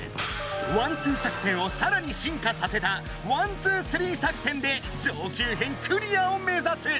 ワンツー作戦をさらに進化させたワンツースリー作戦で上級編クリアをめざす！